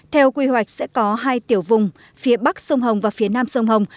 theo quy hoạch sẽ có hai tiểu vùng phía bắc sông hồng và phía nam sông hồng